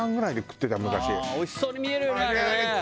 おいしそうに見えるよねあれね。